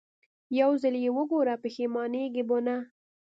يو ځل يې وګوره پښېمانېږې به نه.